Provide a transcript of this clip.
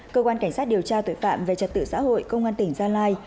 cơ quan cảnh sát điều tra tội phạm về trật tự xã hội công an tỉnh gia lai